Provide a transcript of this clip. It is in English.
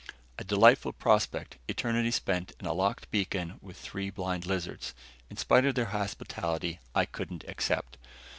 A delightful prospect, eternity spent in a locked beacon with three blind lizards. In spite of their hospitality, I couldn't accept.